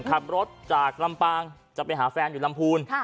ขับรถจากลำปางจะไปหาแฟนอยู่ลำพูน